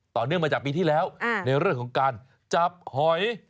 เนื่องมาจากปีที่แล้วในเรื่องของการจับหอย